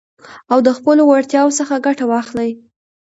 او د خپلو وړتياوو څخه ګټه واخلٸ.